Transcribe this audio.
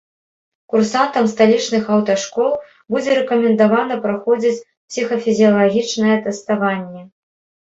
Курсантам сталічных аўташкол будзе рэкамендавана праходзіць псіхафізіалагічнае тэставанне.